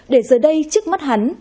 để giờ đây trước mắt hắn